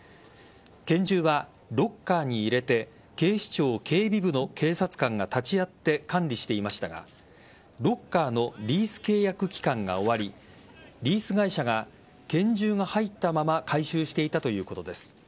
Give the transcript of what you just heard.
拳銃は、ロッカーに入れて警視庁警備部の警察官が立ち会って管理していましたがロッカーのリース契約期間が終わりリース会社が、拳銃が入ったまま回収していたということです。